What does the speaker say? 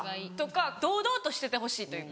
堂々としててほしいというか。